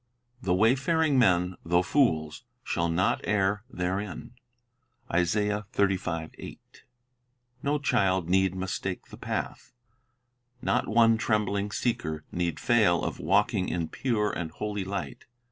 "The wayfaring men, though fools, shall not err therein." 1 No child need mistake the path. Not one trembling seeker need fail of walking in pure and holy light.